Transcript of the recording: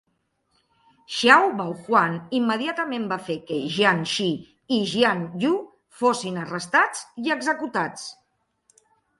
Xiao Baojuan immediatament va fer que Jiang Shi i Jiang You fossin arrestats i executats.